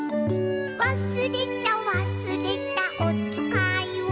「わすれたわすれたおつかいを」